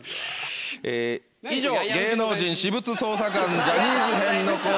え以上芸能人私物捜査官ジャニーズ編のコーナーでした。